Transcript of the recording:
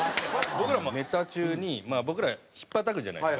僕らもネタ中にまあ僕らひっぱたくじゃないですか。